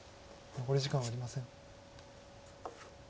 残り時間はありません。